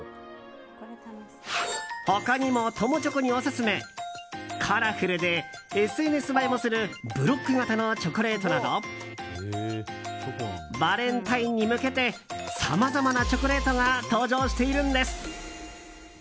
他にも友チョコにオススメカラフルでＳＮＳ映えもするブロック型のチョコレートなどバレンタインに向けてさまざまなチョコレートが登場しているんです。